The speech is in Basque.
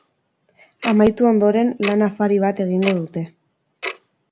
Amaitu ondoren, lan-afari bat egingo dute.